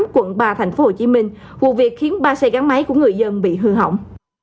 quận ba tp hcm vụ việc khiến ba xe gắn máy của người dân bị hư hỏng